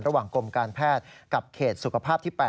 ระหว่างกรมการแพทย์กับเขตสุขภาพที่๘